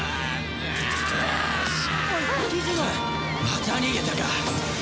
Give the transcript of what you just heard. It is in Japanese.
また逃げたか！